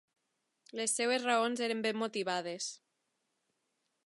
Les seves raons eren ben motivades.